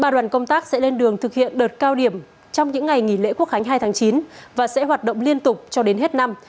ba đoàn công tác sẽ lên đường thực hiện đợt cao điểm trong những ngày nghỉ lễ quốc khánh hai tháng chín và sẽ hoạt động liên tục cho đến hết năm